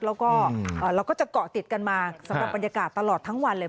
แล้วก็เราก็จะเกาะติดกันมาสำหรับบรรยากาศตลอดทั้งวันเลย